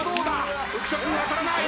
浮所君当たらない。